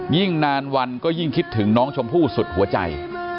ยิ่งนานวันก็ยิ่งคิดถึงน้องชมพู่สุดหัวใจ